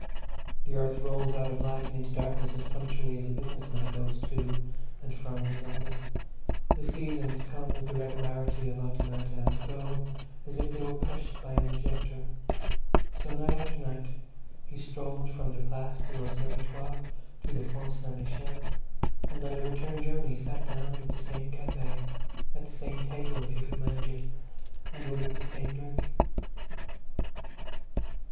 The earth rolls out of light and into darkness as punctually as a business man goes to and from his office; the seasons come with the regularity of automata, and go as if they were pushed by an ejector; so, night after night, he strolled from the Place de l'Observatoire to the Font St. Michel, and, on the return journey, sat down at the same Café, at the same table, if he could manage it, and ordered the same drink.